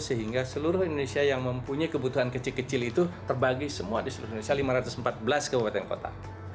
sehingga seluruh indonesia yang mempunyai kebutuhan kecil kecil itu terbagi semua di seluruh indonesia lima ratus empat belas kabupaten kota